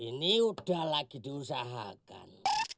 ini udah lagi diusahakan